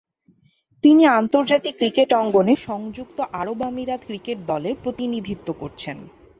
তিনি আন্তর্জাতিক ক্রিকেট অঙ্গনে সংযুক্ত আরব আমিরাত ক্রিকেট দলের প্রতিনিধিত্ব করছেন।